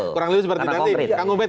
kurang lebih seperti nanti